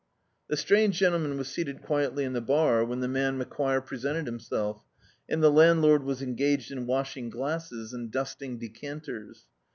The strange gentleman was seated quietly in the bar when the man Macquire presented himself, and the landlord was engaged in washing glasses and dusting decanters.